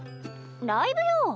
ライブよ。